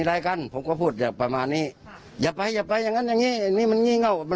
เขาก็ให้มา๕๐๐บาท